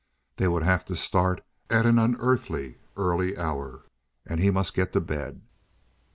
They would have to start at an unearthly early hour, and he must get to bed.